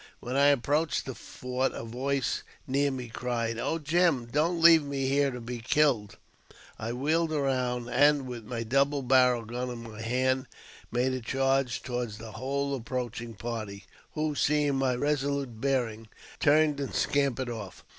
When I approached the fort, a voice near me cried, " Oh, Jim ! don't leave me here to be killed." I wheeled round, and, with my double barrelled gun in my hand, made a charge toward the whole approaching party, who, seeing my resolute bearing, turned and scampered off.